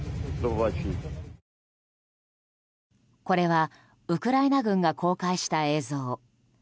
これはウクライナ軍が公開した映像。